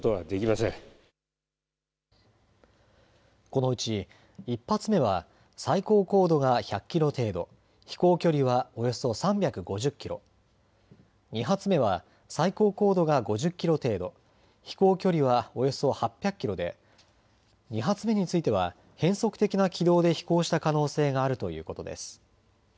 このうち１発目は最高高度が１００キロ程度、飛行距離はおよそ３５０キロ、２発目は最高高度が５０キロ程度、飛行距離はおよそ８００キロで２発目については変則的な軌道で飛行した可能性があるということです。